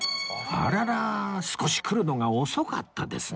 あらら少し来るのが遅かったですね